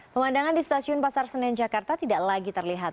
pemandangan di stasiun pasar senen jakarta tidak lagi terlihat